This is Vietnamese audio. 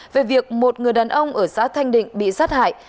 về việc một người đàn ông ở xã thanh định bị sát hại